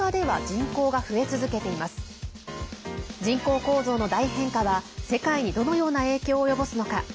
人口構造の大変化は世界にどのような影響を及ぼすのか。